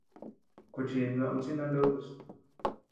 Kuchis nuku ama sï ndá nukus.